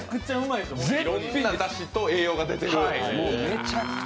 いろんなだしと栄養が出ている。